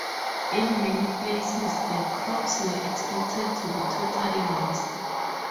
In many places, the crops were expected to be totally lost.